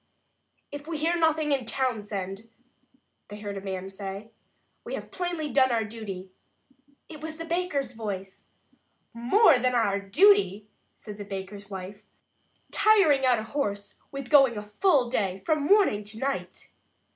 "If we hear nothing in Townsend," they heard a man say, "we have plainly done our duty." It was the baker's voice! "More than our duty," said the baker's wife, "tiring out a horse with going a full day, from morning until night!"